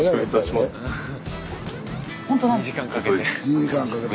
２時間かけて。